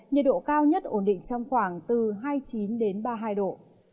nhiệt độ cao nhất ổn định trong khoảng từ hai mươi chín đến ba mươi hai độ